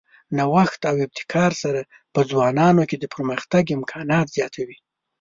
د هر ډول نوښت او ابتکار سره په ځوانانو کې د پرمختګ امکانات زیاتوي.